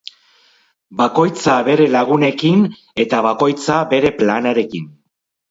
Bakoitza bere lagunekin eta bakoitza bere planarekin.